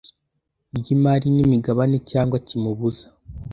ry imari n imigabane cyangwa kimubuza